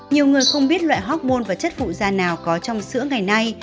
nhiều người không biết loại hormôn và chất phụ da nào có trong sữa ngày nay